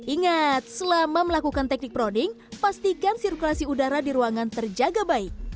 ingat selama melakukan teknik proding pastikan sirkulasi udara di ruangan terjaga baik